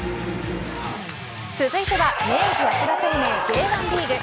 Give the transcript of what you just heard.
続いては明治安田生命Ｊ１リーグ。